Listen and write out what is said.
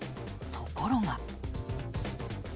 ところが。